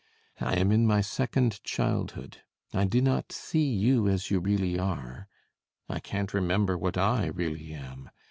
I am in my second childhood. I do not see you as you really are. I can't remember what I really am.